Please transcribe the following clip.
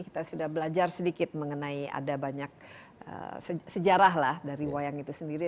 kita sudah belajar sedikit mengenai ada banyak sejarah lah dari wayang itu sendiri